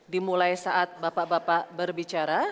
dimulai saat bapak bapak berbicara